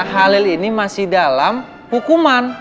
halil ini masih dalam hukuman